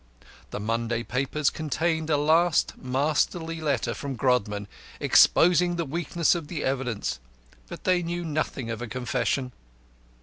The Monday papers contained a last masterly letter from Grodman exposing the weakness of the evidence, but they knew nothing of a confession.